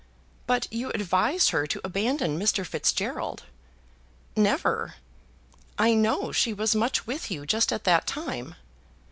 "But you advised her to abandon Mr. Fitzgerald." "Never!" "I know she was much with you, just at that time."